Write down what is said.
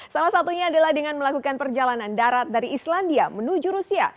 salah satunya adalah dengan melakukan perjalanan darat dari islandia menuju rusia